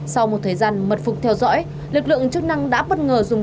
sau một thời gian mật phục theo dõi lực lượng chức năng đã bất ngờ dùng